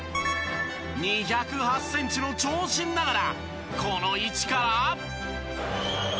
２０８センチの長身ながらこの位置から。